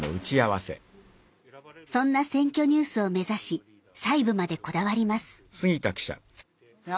そんな「選挙ニュース」を目指し細部までこだわります。